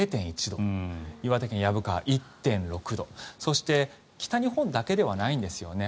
岩手県薮川、１．６度そして北日本だけではないんですよね。